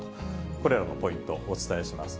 これらのポイント、お伝えします。